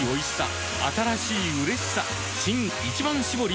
新「一番搾り」